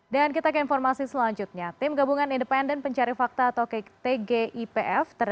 dan kita ke informasi selanjutnya tim gabungan independen pencari fakta atau tgipf